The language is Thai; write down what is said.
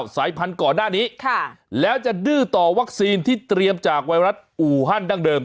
สายพันธุ์ก่อนหน้านี้แล้วจะดื้อต่อวัคซีนที่เตรียมจากไวรัสอูฮันดั้งเดิม